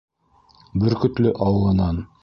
Бөркөтлө ауылынан.